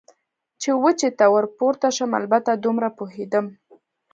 چې وچې ته ور پورته شم، البته دومره پوهېدم.